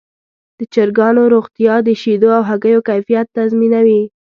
د چرګانو روغتیا د شیدو او هګیو کیفیت تضمینوي.